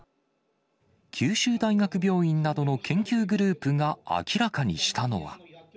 九州大学病院などの研究グループが明らかにしたのは。